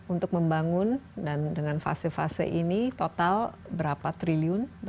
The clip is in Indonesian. untuk membangun dan dengan fase fase ini total berapa triliun